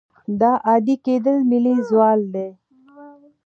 دا عادي کېدل ملي زوال دی.